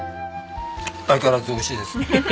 相変わらず美味しいです。